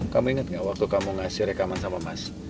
kamu inget nggak waktu kamu ngasih rekaman sama mas